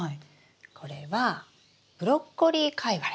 これはブロッコリーカイワレ。